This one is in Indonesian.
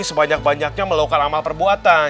sebanyak banyaknya melokal amal perbuatan